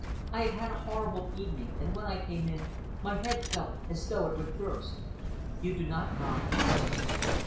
I have had a horrible evening, and when I came in, my head felt as though it would burst. You do not mind?"